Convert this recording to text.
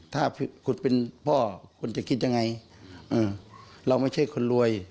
ถ้าคุณเป็นพ่อคุณจะคิดยังไงเราไม่ใช่คนรวย